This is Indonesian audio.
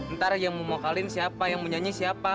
ntar yang mau mokalin siapa yang mau nyanyi siapa